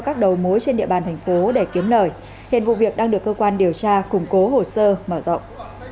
các đầu mối trên địa bàn thành phố để kiếm lời hiện vụ việc đang được cơ quan điều tra củng cố hồ sơ mở rộng